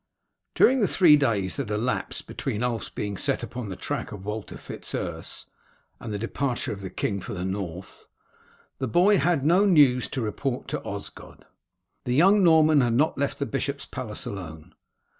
During the three days that elapsed between Ulf's being set upon the track of Walter Fitz Urse and the departure of the king for the North, the boy had no news to report to Osgod. The young Norman had not left the bishop's palace alone.